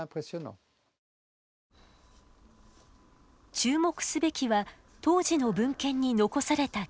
注目すべきは当時の文献に残された記述です。